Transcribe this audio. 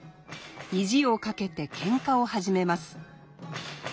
意地をかけて喧嘩を始めます。